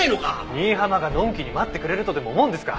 新浜がのんきに待ってくれるとでも思うんですか？